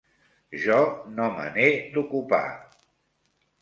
Jo no me n'he d'ocupar.